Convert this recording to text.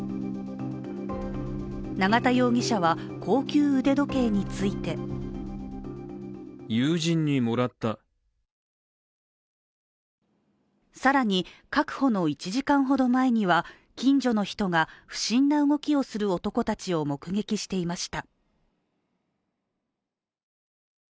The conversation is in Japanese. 永田容疑者は高級腕時計について更に確保の１時間ほど前には近所の人が不審な動きをする男たちを目撃していました。